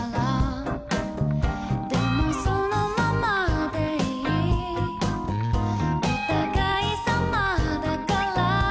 「でもそのままでいいお互いさまだから」